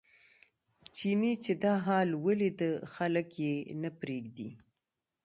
چیني چې دا حال ولیده خلک یې نه پرېږدي.